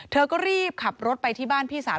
เธอก็รีบขับรถไปที่บ้านพี่สาว